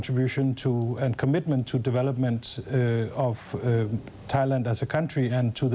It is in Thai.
ที่ถึงเพิ่มการคุยด้วย